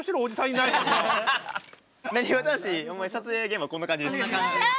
なにわ男子ほんまに撮影現場はこんな感じです。